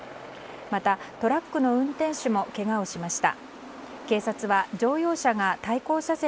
また、トラックの運転手もけがをしました。